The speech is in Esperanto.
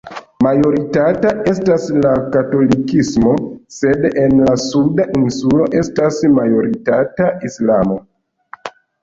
Majoritata estas la katolikismo, sed en la suda insulo estas majoritata Islamo.